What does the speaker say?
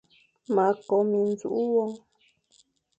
Ma ko minzùkh won.